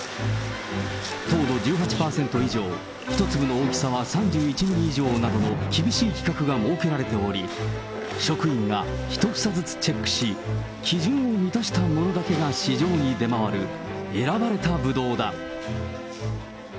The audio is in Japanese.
糖度１８％以上、１粒の大きさは３１ミリ以上などの厳しい規格が設けられており、職員が１房ずつチェックし、基準を満たしたものだけが市場に出回る、選ばれたブドウだ。